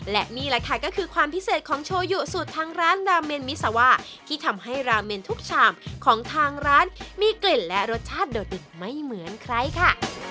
และนี่แหละค่ะก็คือความพิเศษของโชยุสูตรทางร้านราเมนมิซาว่าที่ทำให้ราเมนทุกชามของทางร้านมีกลิ่นและรสชาติโดดเด็ดไม่เหมือนใครค่ะ